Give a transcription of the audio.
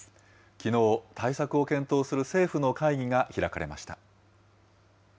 きのう、対策を検討する政府の会議が開かれました。